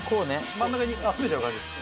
真ん中に集めちゃう感じです。